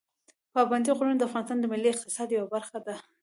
پابندي غرونه د افغانستان د ملي اقتصاد یوه برخه ده.